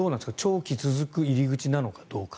長期続く入り口なのかどうか。